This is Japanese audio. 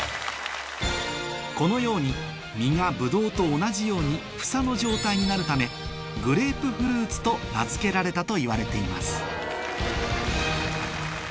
このように実がブドウと同じように房の状態になるためグレープフルーツと名付けられたといわれています